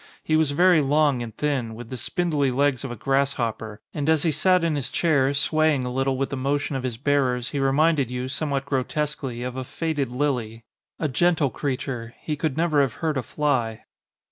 He was very long and thin, with the spin dly legs of a grasshopper, and as he sat in his chair swaying a little with the motion of his bearers he reminded you, somewhat grotesquely, of a faded lily. A gentle creature. He could never have hurt a fly.